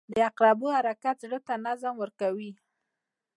• د عقربو حرکت زړه ته نظم ورکوي.